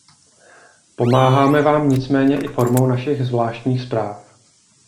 Pomáháme vám nicméně i formou našich zvláštních zpráv.